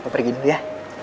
papa pergi dulu ya